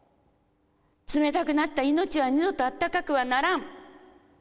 冷たくなった命は二度とあったかくはならん。